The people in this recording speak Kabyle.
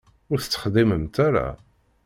Ur t-texdiment ara.